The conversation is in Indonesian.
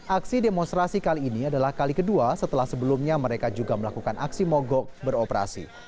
aksi demonstrasi kali ini adalah kali kedua setelah sebelumnya mereka juga melakukan aksi mogok beroperasi